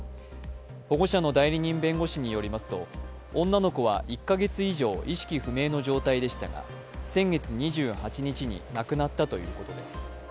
保護者の代理人弁護士によりますと、女の子は１か月以上意識不明の状態でしたが先月２８日に亡くなったということです。